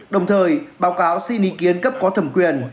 đồng thời báo cáo xin ý kiến cấp có thẩm quyền